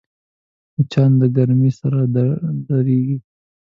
مچان د ګرمۍ سره ډېریږي